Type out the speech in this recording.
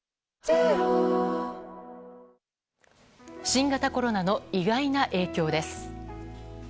新型コロナの意外な影響です。